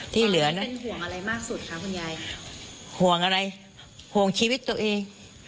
ที่เหลือนั้นเป็นห่วงอะไรมากสุดคะคุณยายห่วงอะไรห่วงชีวิตตัวเอง